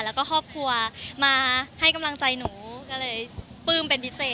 แล้วก็ครอบครัวมาให้กำลังใจหนูก็เลยปลื้มเป็นพิเศษ